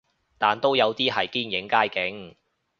但都有啲係堅影街景